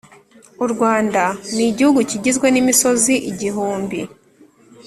U rwanda nigihugu kigizwe nimisozi igihumbi